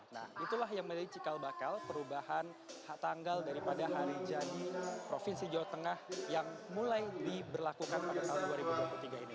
nah itulah yang menjadi cikal bakal perubahan tanggal daripada hari jadi provinsi jawa tengah yang mulai diberlakukan pada tahun dua ribu dua puluh tiga ini